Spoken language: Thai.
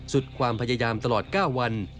สุดความพยายามตลอด๙วัน